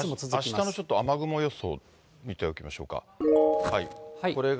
あしたのちょっと雨雲予想見ておきましょうか。